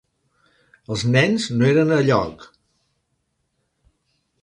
Els nens no eren elloc.